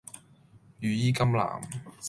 羽衣甘藍